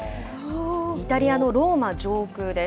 イタリアのローマ上空です。